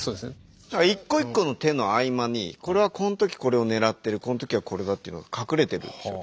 一個一個の手の合間にこれはこん時これを狙ってるこん時はこれだっていうのが隠れてるんですよね。